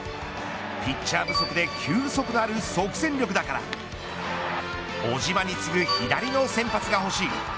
ピッチャー不足で球速ある即戦力だから小島に次ぐ左の先発が欲しい。